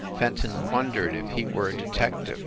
Fenton wondered if he were a detective.